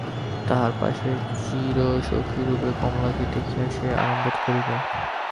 তাহার পাশে চিরসখীরূপে কমলাকে দেখিয়া সে আরামবোধ করিল।